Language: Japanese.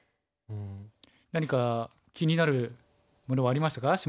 何か気になるものはありましたか？